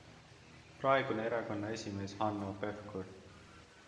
Praegune erakonna esimees Hanno Pevkur?